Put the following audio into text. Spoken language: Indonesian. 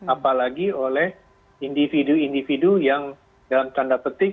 apalagi oleh individu individu yang dalam tanda petik